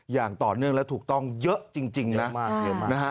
อย่างต่อเนื่องและถูกต้องเยอะจริงนะมากเยอะมากนะฮะ